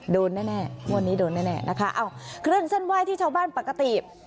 โดนแน่งวดนี้โดนแน่นะคะเอ้าเครื่องเส้นไหว้ที่ชาวบ้านปกติ